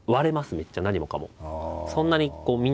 めっちゃ何もかも。